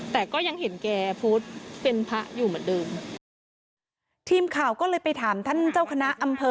แต่ก็ยังเห็นแกพูดเป็นพระอยู่เหมือนเดิมทีมข่าวก็เลยไปถามท่านเจ้าคณะอำเภอ